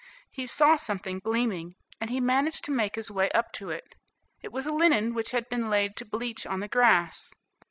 He saw something gleaming, and he managed to make his way up to it. It was linen which had been laid to bleach on the grass.